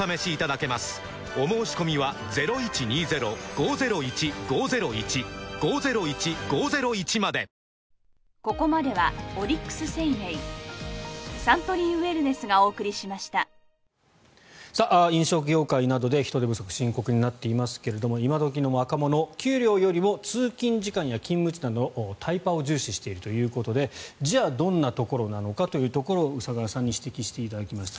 お申込みは飲食業界などで人手不足が深刻になっていますが今時の若者給料よりも通勤時間や勤務地などタイパを重視しているということでじゃあ、どんなところなのかというところ宇佐川さんに指摘していただきました。